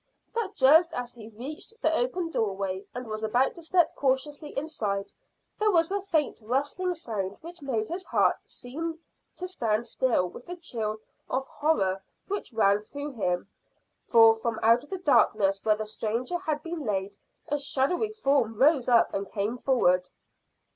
But just as he reached the open doorway and was about to step cautiously inside, there was a faint rustling sound which made his heart seem to stand still with the chill of horror which ran through him, for from out of the darkness where the stranger had been laid a shadowy form rose up and came forward.